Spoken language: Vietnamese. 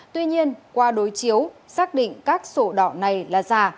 tuy nhiên qua đối chiếu xác định các sổ đỏ này là giả